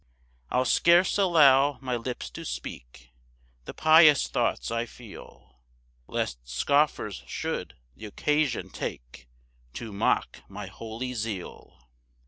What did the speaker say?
3 I'll scarce allow my lips to speak The pious thoughts I feel, Lest scoffers should th' occasion take To mock my holy zeal.